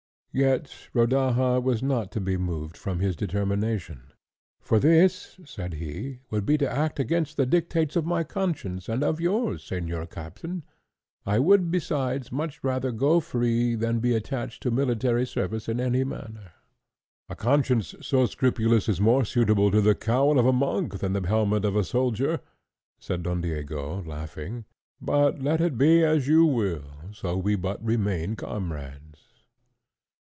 Yet Rodaja was not to be moved from his determination. "For this," said he, "would be to act against the dictates of my conscience and of yours, señor captain; I would, besides, much rather go free than be attached to military service in any manner." "A conscience so scrupulous is more suitable to the cowl of a monk than the helmet of a soldier," said Don Diego, laughing; "but let it be as you will, so we but remain comrades."